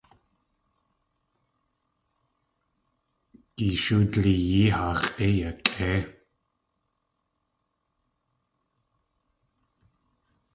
Gishoo dleeyí haa x̲ʼé yakʼéi.